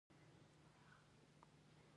له هغې سره مې څه دي.